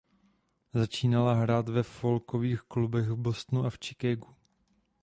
Začínala hrát ve folkových klubech v Bostonu a v Chicagu.